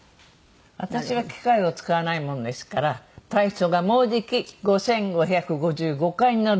私は機械を使わないものですから体操がもうじき５５５５回になる。